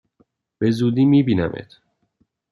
به زودی می بینمت!